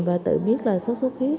và tự biết là sốt xuất huyết